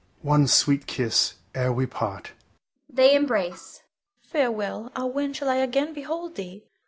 One sweet kiss ere we part! [They embrace.] Bianca. Farewell! Ah, when shall I again behold thee?